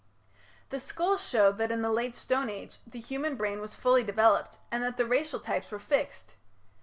The skulls show that in the Late Stone Age the human brain was fully developed and that the racial types were fixed.